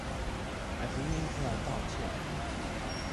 還不願意出來道歉